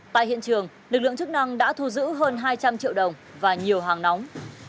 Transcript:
tại hiện trường lực lượng chức năng đã thu giữ hơn hai trăm linh triệu đồng và nhiều hàng nóng